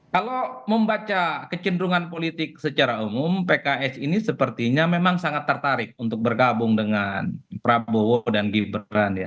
kalau membaca kecenderungan politik secara umum pks ini sepertinya memang sangat tertarik untuk bergabung dengan prabowo dan gibran ya